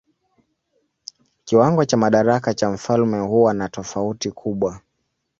Kiwango cha madaraka cha mfalme huwa na tofauti kubwa.